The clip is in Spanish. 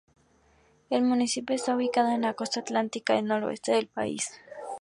El municipio está ubicado en la costa atlántica del noreste del país.